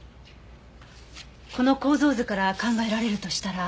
この構造図から考えられるとしたら？